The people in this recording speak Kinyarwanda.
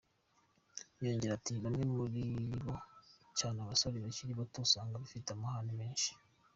Yongeyeho ati “Bamwe muri bo cyane abasore bakiri bato usanga bafite amahane menshi.